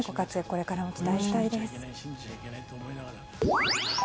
これからも期待したいです。